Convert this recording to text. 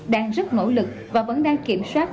đang rất nỗ lực và vẫn đang kiểm soát